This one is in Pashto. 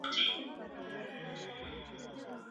ايا متضرر کورنۍ قاتل ته بخښنه وکړه؟